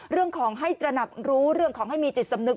เรื่องของให้ตระหนักรู้เรื่องของให้มีจิตสำนึก